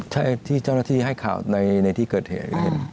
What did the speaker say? ใช่ที่เจ้าหน้าที่ให้ข่าวในที่เกิดเหตุเห็น